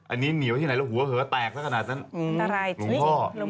อันนี้เหนียวไหนที่ไหนแล้วหัวเผลอแตกแล้วโรงพ่อ